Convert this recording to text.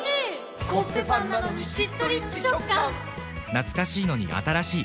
懐かしいのに新しい。